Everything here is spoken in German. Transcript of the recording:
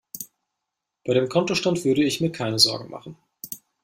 Bei dem Kontostand würde ich mir keine Sorgen machen.